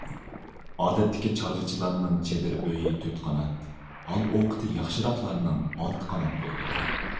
ئادەتتىكى چارۋىچىلارنىڭ چېدىر ئۆيى تۆت قانات، ھال-ئوقىتى ياخشىراقلارنىڭ ئالتە قانات بولىدۇ.